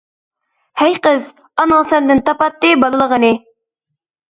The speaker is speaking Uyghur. ھەي قىز. ئاناڭ سەندىن تاپاتتى بالىلىغىنى.